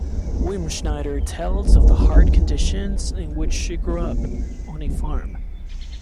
Wimschneider tells of the hard conditions in which she grew up, on a farm.